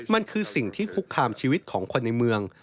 มันคือสิ่งที่คุกคามชีวิตของคนในเมือง